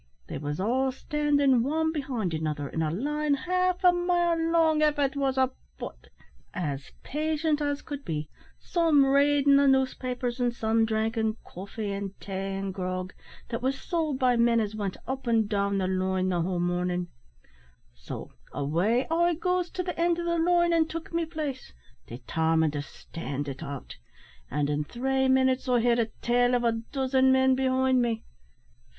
They wos all standin' wan behind another in a line half a mile long av it wos a fut, as patient as could be; some readin' the noosepapers, and some drinkin' coffee and tay and grog, that wos sowld by men as went up an' down the line the whole mornin'. So away I goes to the end o' the line, an' took my place, detarmined to stand it out; and, in three minutes, I had a tail of a dozen men behind me.